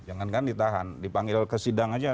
jangan kan ditahan dipanggil ke sidang saja